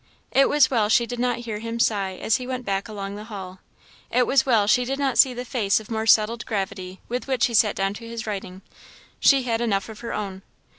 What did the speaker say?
It was well she did not hear him sigh as he went back along the hall it was well she did not see the face of more settled gravity with which he sat down to his writing she had enough of her own.